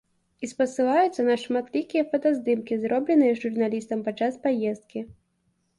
І спасылаюцца на шматлікія фотаздымкі, зробленыя журналістамі падчас паездкі.